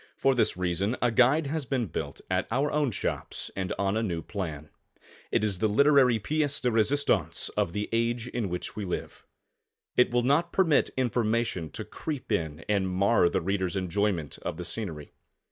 For this reason a guide has been built at our own shops and on a new plan. It is the literary piece de resistance of the age in which we live. It will not permit information to creep in and mar the reader's enjoyment of the scenery.